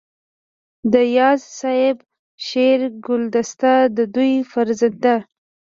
د اياز صيب شعري ګلدسته دَ دوي فرزند